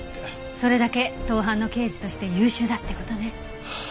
それだけ盗犯の刑事として優秀だって事ね。